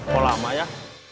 kok lama ya